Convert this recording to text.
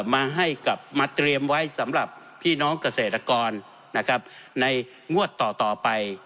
มาให้กลับมาเตรียมไว้สำหรับพี่น้องเกษตรกรนะครับในงวดต่อไป